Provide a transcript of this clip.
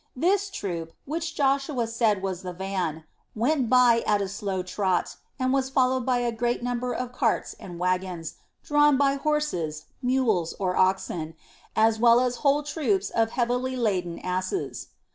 This troop, which Joshua said was the van, went by at a slow trot and was followed by a great number of carts and wagons, drawn by horses, mules, or oxen, as well as whole troops of heavily laden asses.